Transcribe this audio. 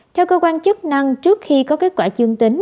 theo cơ quan chức năng trước khi có kết quả dương tính